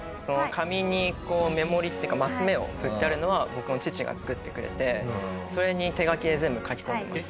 紙に目盛りっていうかマス目を振ってあるのは僕の父が作ってくれてそれに手書きで全部書き込んでます。